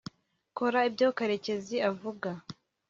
kora ibyo karekezi avuga